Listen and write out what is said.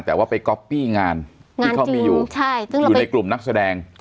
แต่ว่าไปก๊อปปี้งานที่เขามีอยู่อยู่ในกลุ่มนักแสดง